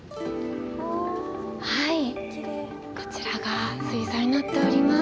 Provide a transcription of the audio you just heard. こちらが水槽になっております。